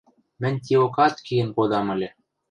Мӹнь тиокат киэн кодам ыльы.